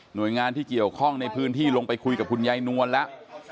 โดยงานที่เกี่ยวข้องในพื้นที่ลงไปคุยกับคุณยายนวลแล้ว